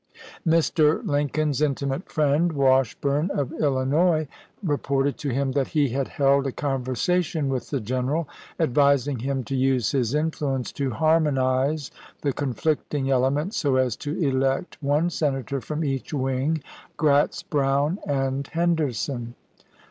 Mr. Lincoln's intimate friend, Wash burne of Illinois, reported to him that he had held a conversation with the general, advising him to use his influence to harmonize the conflicting ele ments so as to elect one Senator from each wing, Gratz Brown and Henderson.